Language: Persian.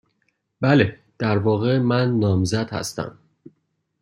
بله. در واقع، من نامزد هستم.